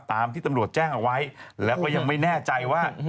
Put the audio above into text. ตามที่ตำรวจแจ้งเอาไว้แล้วก็ยังไม่แน่ใจว่า